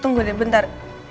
tunggu deh bentar